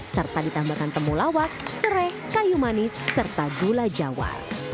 serta ditambahkan temulawak serai kayu manis serta gula jawa